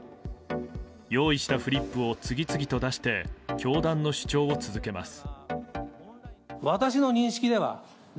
用意したフリップを次々と出して教団の主張を続けます。